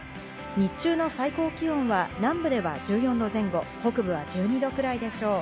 日中の最高気温は、南部では１４度前後、北部は１２度くらいでしょう。